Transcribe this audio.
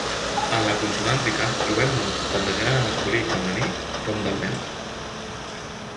En la consonàntica trobem mots tant de gènere masculí i femení com del neutre.